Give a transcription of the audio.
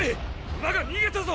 馬が逃げたぞ！！